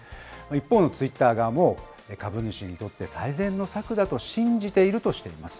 一方のツイッター側も、株主にとって最善の策だと信じているとしています。